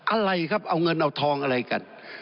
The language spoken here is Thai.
อะไรครับเอาเงินเอาทองอะไรกัน